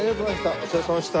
お世話さまでした。